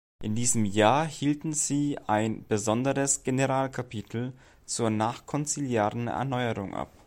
In diesem Jahr hielten sie ein "Besonderes Generalkapitel" zur nachkonziliaren Erneuerung ab.